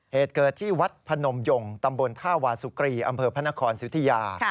เหตุเกิดที่วัดพนมยงตำบลท่าวาสุกรีอำเภอพระนครสุธิยา